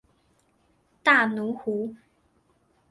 大奴湖。